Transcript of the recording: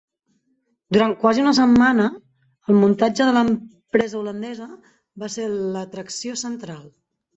Durant quasi una setmana el muntatge de l'empresa holandesa va ser l'atracció central.